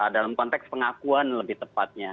dalam konteks pengakuan lebih tepatnya